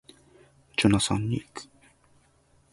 ジョナサンに行く